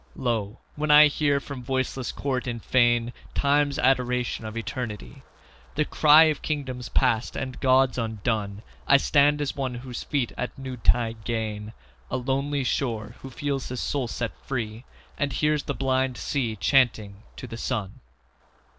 Lo ! when I hear from voiceless court and fane Time's adoration of Eternity — The cry of kingdoms past and gods undone I stand as one whose feet at noontide gain A lonely shore; who feels his soul set free, And hears the blind sea chanting to the sun.